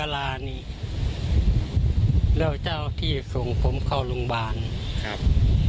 แล้วเจ้าที่ส่งผมเข้าโรงพยาบาลครับ